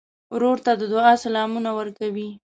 ورور ته د دعا سلامونه ورکوې.